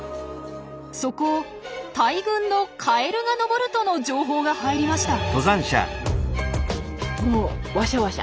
そこを大群のカエルが登るとの情報が入りました！